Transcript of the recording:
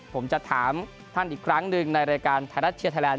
ผมจะถามท่านอีกครั้งหนึ่งในรายการไทยรัฐเชียร์ไทยแลนด